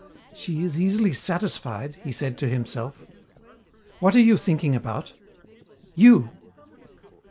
"She is easily satisfied," he said to himself. "What are you thinking about?" "You!"